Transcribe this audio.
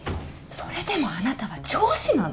それでもあなたは上司なの？